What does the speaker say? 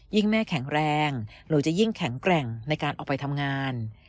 แม่แข็งแรงหนูจะยิ่งแข็งแกร่งในการออกไปทำงาน